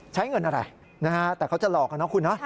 ใช้เงินอะไรนะฮะแต่เขาจะหลอกกันนะคุณเนาะ